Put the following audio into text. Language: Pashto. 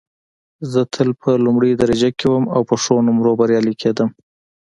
زه تل په لومړۍ درجه کې وم او په ښو نومرو بریالۍ کېدم